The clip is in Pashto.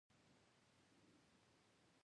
هرات د افغانستان د اقتصاد یوه برخه ده.